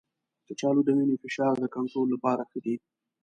کچالو د وینې د فشار د کنټرول لپاره ښه دی.